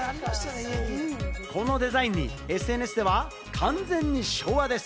このデザインに、ＳＮＳでは完全に昭和です。